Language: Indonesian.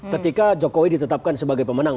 ketika jokowi ditetapkan sebagai pemenang